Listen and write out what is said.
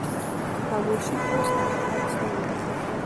خاموشي اوس د پخوا په څېر نه ده پاتې.